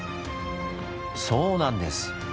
そうなんです！